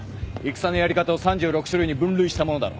戦のやり方を３６種類に分類したものだろ。